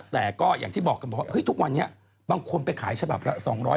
แต่ก็อย่างที่บอกกันบอกว่าทุกวันนี้บางคนไปขายฉบับละ๒๐๐